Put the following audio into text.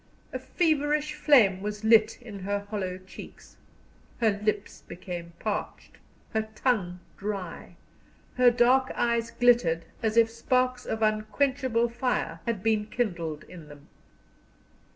A feverish flame was lit in her hollow cheeks. Her lips became parched, her tongue dry, her dark eyes glittered as if sparks of unquenchable fire had been kindled in them.